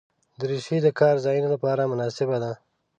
دریشي د کار ځایونو لپاره مناسبه ده.